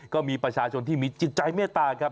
ก็มีประชาชนที่มีจิตใจเมตตาครับ